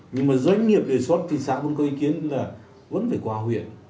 nhưng mà doanh nghiệp đề xuất thì xã cũng có ý kiến là vẫn phải qua huyện